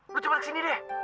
lu coba kesini deh